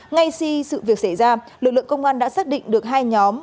ngay khi sự việc xảy ra lực lượng công an đã xác định được hai nhóm